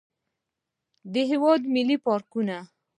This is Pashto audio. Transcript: د هېواد ملي پارکونه.